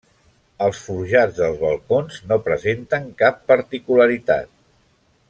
Els forjats dels balcons no presenten cap particularitat.